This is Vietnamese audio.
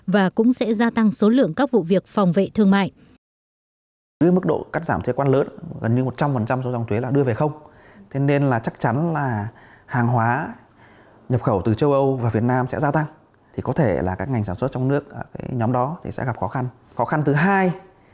và cũng sẽ gia tăng số lượng các vụ việc phòng vệ thương mại